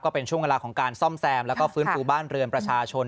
เป็นช่วงเวลาของการซ่อมแซมแล้วก็ฟื้นฟูบ้านเรือนประชาชน